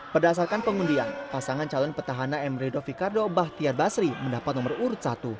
berdasarkan pengundian pasangan calon petahana emredo fikardo bahtiar basri mendapat nomor urut satu